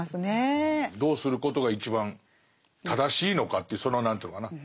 どうすることが一番正しいのかっていうその何というのかな